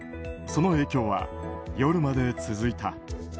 その影響は夜まで続いた。